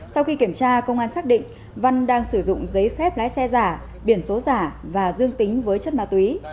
sau khi kiểm tra công an xác định văn đang sử dụng giấy phép lái xe giả biển số giả và dương tính với chất ma túy